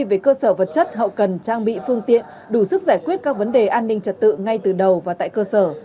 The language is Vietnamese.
về cơ sở vật chất hậu cần trang bị phương tiện đủ sức giải quyết các vấn đề an ninh trật tự ngay từ đầu và tại cơ sở